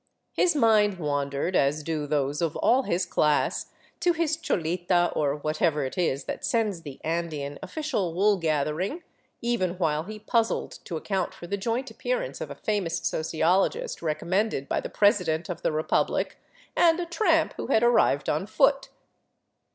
His mind wan dered, as do those of all his class, to his cholita or whatever it is that sends the Andean official wool gathering, even while he puzzled to ac count for the joint appearance of a famous sociologist recommended by the President of the Republic and a tramp who had arrived on foot.